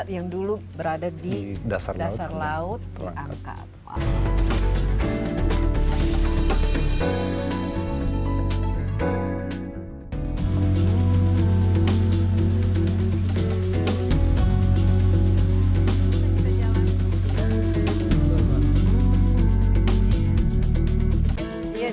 yang dulu berada di dasar laut diangkat